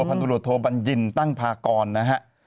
พันธุรกิจโทบัญญินตั้งพากรนะฮะ